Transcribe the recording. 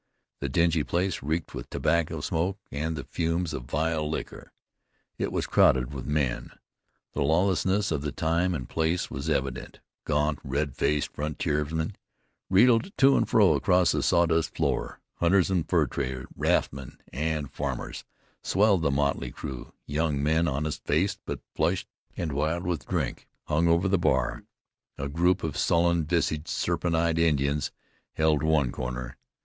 The dingy place reeked with tobacco smoke and the fumes of vile liquor. It was crowded with men. The lawlessness of the time and place was evident. Gaunt, red faced frontiersmen reeled to and fro across the sawdust floor; hunters and fur traders, raftsmen and farmers, swelled the motley crowd; young men, honest faced, but flushed and wild with drink, hung over the bar; a group of sullen visaged, serpent eyed Indians held one corner.